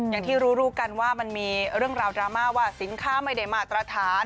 อย่างที่รู้กันว่ามันมีเรื่องราวดราม่าว่าสินค้าไม่ได้มาตรฐาน